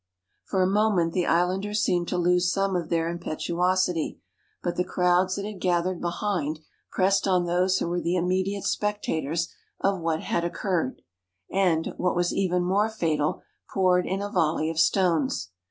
For a moment the islanders seemed to lose some Si6 THE LAST VOYAGE OF CAPTAIN COOK of their impetuosity, but the crowds that had gathered behind pressed on those who were the immediate spec tators of what had occurred, and, what was even more fatal, poured in a volley of stones.